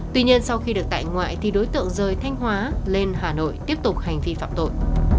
tuy nhiên sau khi được tại ngoại thì đối tượng rời thanh hóa lên hà nội tiếp tục hành vi phạm tội